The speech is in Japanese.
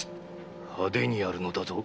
派手にやるのだぞ。